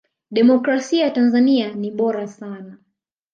demokrasia ya tanzania ni bora sana